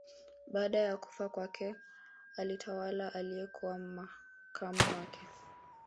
Baada ya kufa kwake alitawala aliyekuwa makamu wake